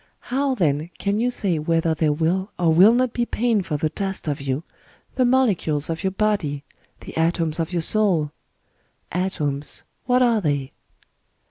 How, then, can you say whether there will or will not be pain for the dust of you, — the molecules of your body, the atoms of your soul ?... Atoms — what are they